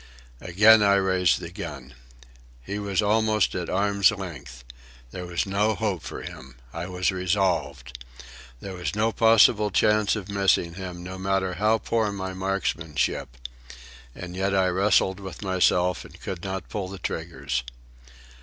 Again I raised the gun. He was almost at arm's length. There was no hope for him. I was resolved. There was no possible chance of missing him, no matter how poor my marksmanship. And yet I wrestled with myself and could not pull the triggers.